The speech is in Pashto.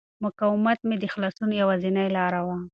مقاومت مې د خلاصون یوازینۍ لاره وه.